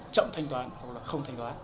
chậm thanh toán hoặc là không thanh toán